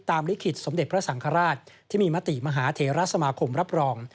ลิขิตสมเด็จพระสังฆราชที่มีมติมหาเทราสมาคมรับรอง